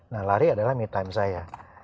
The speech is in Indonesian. nah lari adalah me time saya